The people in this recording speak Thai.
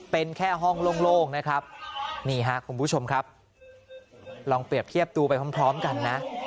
เป็นแค่ห้องโล่งนะครับนี่ฮะคุณผู้ชมครับลองเปรียบเทียบดูไปพร้อมกันนะ